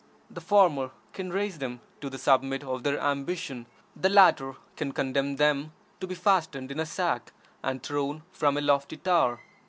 The former can raise them to the summit of their ambition; the latter can condemn them to be fastened in a sack and thrown from a lofty tower.